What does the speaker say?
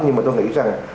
nhưng mà tôi nghĩ rằng